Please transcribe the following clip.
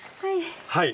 はい。